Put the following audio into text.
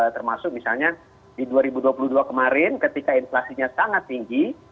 termasuk misalnya di dua ribu dua puluh dua kemarin ketika inflasinya sangat tinggi